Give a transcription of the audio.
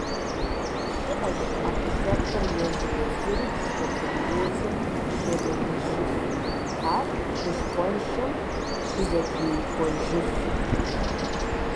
Щыӏэщ ӏэпкълъэпкъыр езыр-езыру дисбактериозым щебэныжыф, ар хущхъуэншэу щызэтриухуэжыф.